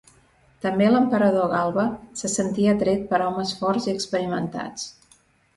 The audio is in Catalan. També l'emperador Galba se sentia atret per homes forts i experimentats.